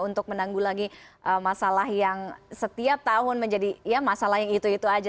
untuk menanggulangi masalah yang setiap tahun menjadi ya masalah yang itu itu aja